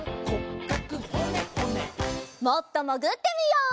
もっともぐってみよう！